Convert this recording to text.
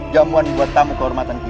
jamuan dibuat tamu kehormatan kita